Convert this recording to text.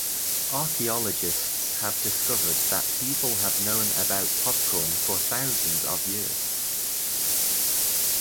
Archaeologists have discovered that people have known about popcorn for thousands of years.